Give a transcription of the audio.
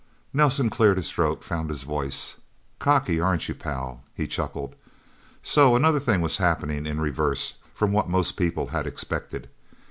Nelsen cleared his throat, found his voice. "Cocky, aren't you, Pal?" he chuckled. So another thing was happening in reverse from what most people had expected.